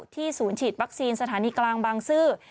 ศูนย์ฉีดวัคซีนสถานีกลางบางซื่อ